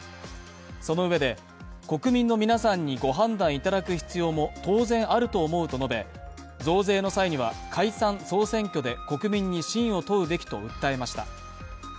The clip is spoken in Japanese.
そのうえで、国民の皆さんにご判断いただく必要も当然あると思うと述べ、増税の際には解散総選挙で国民に信を問うべきと訴えました。